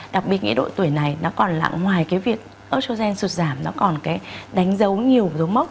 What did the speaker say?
đặc biệt nghĩa độ tuổi này nó còn là ngoài cái việc estrogen sụt giảm nó còn cái đánh dấu nhiều dấu mốc